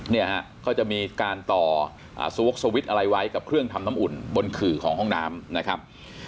เนี่ยฮะก็จะมีการต่อสวกสวิตช์อะไรไว้กับเครื่องทำน้ำอุ่นบนขื่อของห้องน้ำนะครับ